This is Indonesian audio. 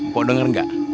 pok denger nggak